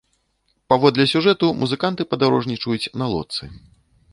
Паводле сюжэту, музыканты падарожнічаюць на лодцы.